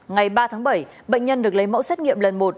ngày ba tháng bảy bệnh nhân được lấy mẫu xét nghiệm lần một